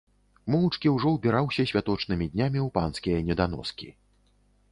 Моўчкі ўжо ўбіраўся святочнымі днямі ў панскія неданоскі.